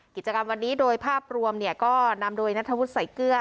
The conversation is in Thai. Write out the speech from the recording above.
กิจกรรมวันนี้โดยภาพรวมเนี่ยก็นำโดยนัทธวุษย์สายเกลือ